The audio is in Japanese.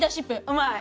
うまい。